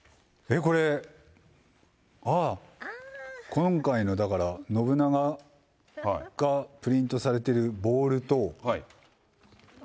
これ、ああ、今回の信長がプリントされてるボールと、はい。